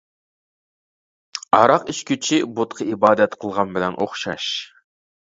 ھاراق ئىچكۈچى بۇتقا ئىبادەت قىلغان بىلەن ئوخشاش.